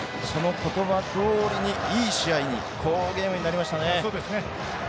その言葉どおりにいい試合に好ゲームになりましたね。